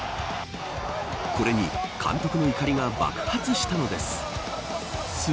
これに監督の怒りが爆発したのです。